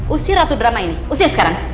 usir ratu drama ini usia sekarang